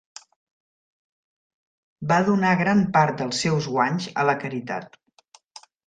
Va donar gran part dels seus guanys a la caritat.